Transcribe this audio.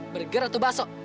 burger atau bakso